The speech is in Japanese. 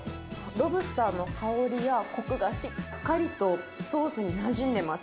ロブスターの香りやこくがしっかりとソースになじんでます。